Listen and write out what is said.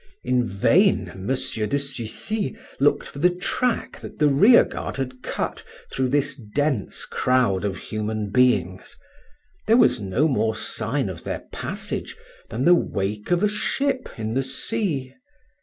In vain M. de Sucy looked for the track that the rearguard had cut through this dense crowd of human beings; there was no more sign of their passage than the wake of a ship in the sea.